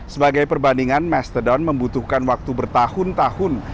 sebagai perbandingan mastodon membutuhkan waktu bertahun tahun